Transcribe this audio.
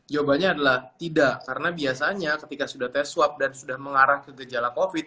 jawabannya adalah tidak karena biasanya ketika sudah tes swab dan sudah mengarah ke gejala covid